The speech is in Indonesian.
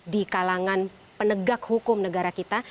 di kalangan penegak hukum negara kita